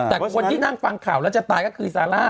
แต่คนที่นั่งฟังข่าวแล้วจะตายก็คือซาร่า